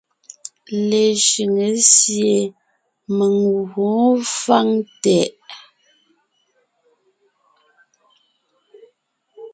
Leshʉŋé sie mèŋ gwǒon fáŋ tɛʼ.